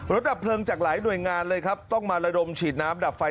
ดับเพลิงจากหลายหน่วยงานเลยครับต้องมาระดมฉีดน้ำดับไฟ